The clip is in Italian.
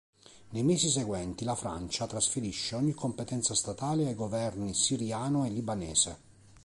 Nei mesi seguenti la Francia trasferisce ogni competenza statale ai governi siriano e libanese.